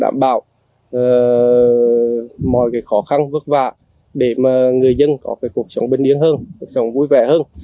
mọi khó khăn vất vả để người dân có cuộc sống bình yên hơn cuộc sống vui vẻ hơn